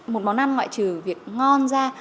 một món ăn ngoại trừ việc ngon ra